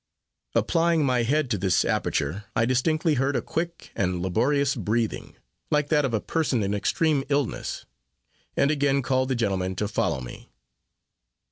Applying my head to this aperture, I distinctly heard a quick and laborious breathing, like that of a person in extreme illness; and again called the gentlemen to follow me.